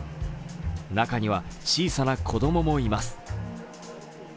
中には小さな子供もいます。